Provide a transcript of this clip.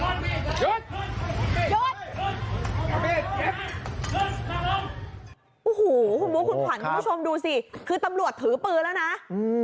โอ้โหว้ขวัญคุณผู้ชมดูสิคือตำรวจถือปืนแล้วนะอืม